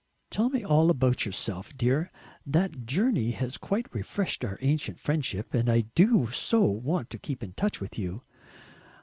"Tell me all about yourself, dear. That journey has quite refreshed our ancient friendship, and I do so want to keep in touch with you."